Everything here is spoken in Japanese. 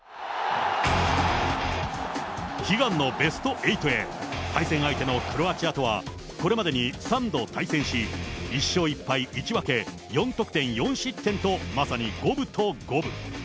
悲願のベスト８へ、対戦相手のクロアチアとはこれまでに３度対戦し、１勝１敗１分け４得点４失点と、まさに五分と五分。